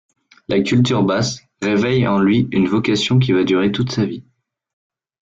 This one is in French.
La culture basque réveille en lui une vocation qui va durer toute sa vie.